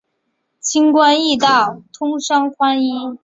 轻关易道，通商宽衣。